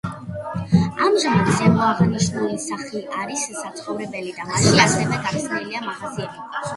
ამჟამად ზემოაღნიშნული სახლი არის საცხოვრებელი და მასში ასევე გახსნილია მაღაზიები.